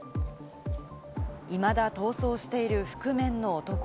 いまだ逃走している覆面の男。